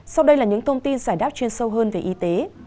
sau đây là những thông tin giải đáp chuyên sâu hơn về y tế